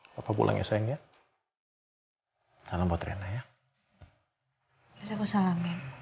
hai hai hai hai hai hai hai hai hai apa pulangnya sayangnya hai salam buat riana ya